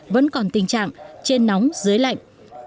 vẫn còn tình trạng trên nóng dưới lạnh